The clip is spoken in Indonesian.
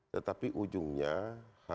tetapi ujungnya harus memberikan kekuatan